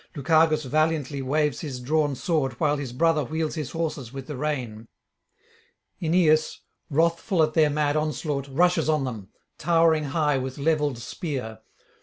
Lucagus valiantly waves his drawn sword, while his brother wheels his horses with the rein. Aeneas, wrathful at their mad onslaught, rushes on them, towering high with levelled spear.